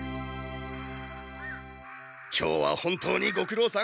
今日は本当にごくろうさん。